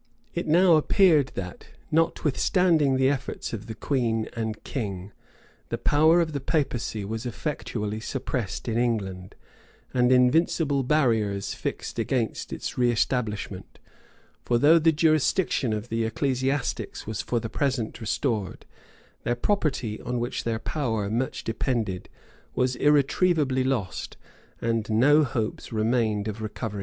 It now appeared that, notwithstanding the efforts of the queen and king, the power of the papacy was effectually suppressed in England, and invincible barriers fixed against its reëstablishment. For though the jurisdiction of the ecclesiastics was for the present restored, their property, on which their power much depended, was irretrievably lost, and no hopes remained of recovering it.